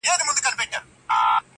وطن له سره جوړوي بیرته جشنونه راځي.!